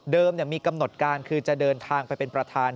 มีกำหนดการคือจะเดินทางไปเป็นประธาน